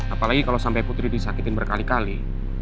apalagi kalau sampai putri disakitin berkali kali